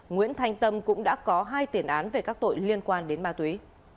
nguyễn thanh tâm cũng đã có hai tiền án về các tội liên quan đến ma túy